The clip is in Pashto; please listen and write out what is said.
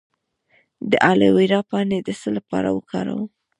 د الوویرا پاڼې د څه لپاره وکاروم؟